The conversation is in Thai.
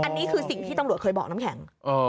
อันนี้คือสิ่งที่ตำรวจเคยบอกน้ำแข็ง